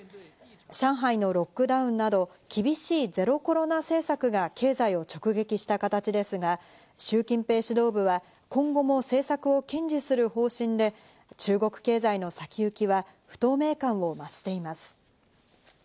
上海のロックダウンなど厳しいゼロコロナ政策が経済を直撃した形ですが、シュウ・キンペイ指導部は今後も政策を堅持する方針で、中国経済の先行きは不透明感を増しています。